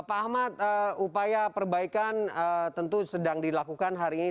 pak ahmad upaya perbaikan tentu sedang dilakukan hari ini